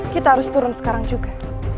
kita harus turun sekarang juga